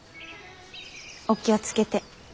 お気を付けて。